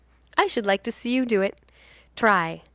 I should like to see you do it. Try.